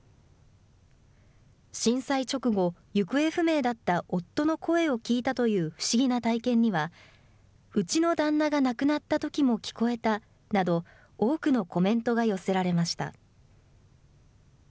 震災直後、行方不明だった夫の声を聞いたという不思議な体験には、うちの旦那が亡くなったときも聞こえたなど、多くのコメントが寄せられました。